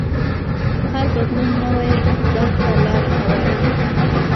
هر بدلون نوي درک ته لار هواروي.